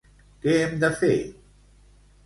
Què hem de fer?